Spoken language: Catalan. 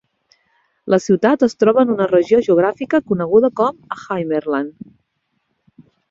La ciutat es troba en una regió geogràfica coneguda com "Himmerland".